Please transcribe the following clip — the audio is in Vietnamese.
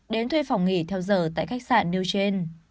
đến thuê phòng nghỉ theo giờ tại khách sạn new chain